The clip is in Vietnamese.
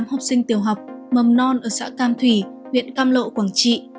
năm mươi tám học sinh tiểu học mầm non ở xã cam thủy huyện cam lộ quảng trị